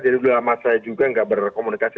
jadi lama saya juga gak berkomunikasi